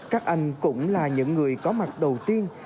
các anh cũng là những người có mặt đầu tiên